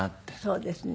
そうですね。